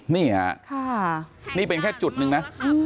นี่เป็นแค่จุดหนึ่งนะ